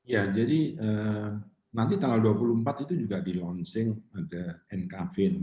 ya jadi nanti tanggal dua puluh empat itu juga di launching ada nkvn